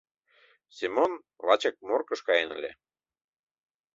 Семон лачак Моркыш каен ыле.